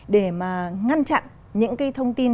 để mà ngăn chặn những cái thông tin